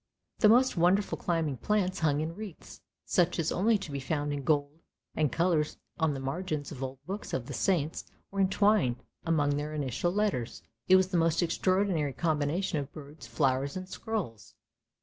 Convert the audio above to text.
The most wonderful climbing plants hung in wreaths, such as are only to be found in gold and colours on the margins of old books of the Saints or entwined among their initial letters. It was the most extraordinary combination of birds, flowers, and scrolls.